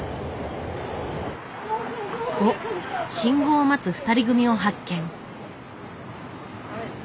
おっ信号を待つ２人組を発見。